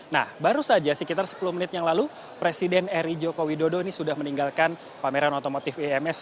nah baru saja sekitar sepuluh menit yang lalu presiden eri joko widodo ini sudah meninggalkan pameran otomotif ims